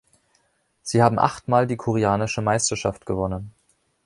Sie haben acht Mal die koreanische Meisterschaft gewonnen.